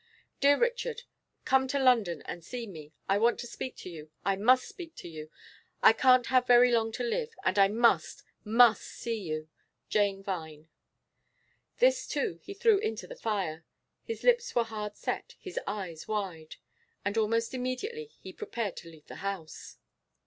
'Dear Richard, come to London and see me. I want to speak to you, I must speak to you. I can't have very long to live, and I must, must see you. 'JANE VINE.' This too he threw into the fire. His lips were hard set, his eyes wide. And almost immediately he prepared to leave the house.